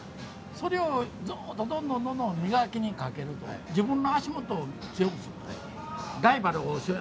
それをどんどんどんどん磨きにかけると、自分の足元を強くする。